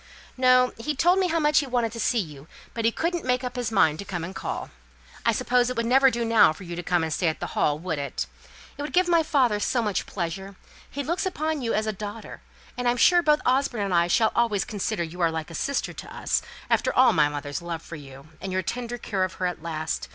"No, he told me how much he wanted to see you, but he couldn't make up his mind to come and call. I suppose it would never do now for you to come and stay at the Hall, would it? It would give my father so much pleasure: he looks upon you as a daughter, and I'm sure both Osborne and I shall always consider you are like a sister to us, after all my mother's love for you, and your tender care of her at last.